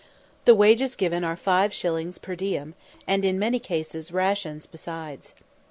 The wages given are five shillings per diem, and in many cases "rations" besides.